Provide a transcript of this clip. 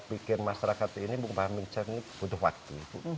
pada saat ini masyarakat ini memahami kebutuhan waktu